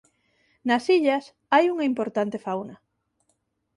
Nas illas hai unha importante fauna.